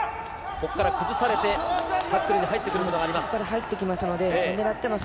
ここから崩されて、タックルに入ってくることがあります。